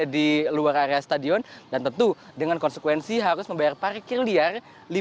di luar area stadion dan tentu dengan konsekuensi harus membayar parkir liar